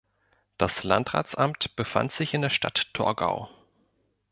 Das Landratsamt befand sich in der Stadt Torgau.